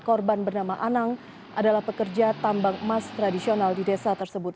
korban bernama anang adalah pekerja tambang emas tradisional di desa tersebut